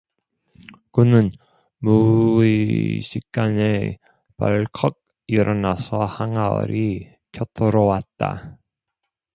그는 무의식간에 벌컥 일어나서 항아리 곁으로 왔다.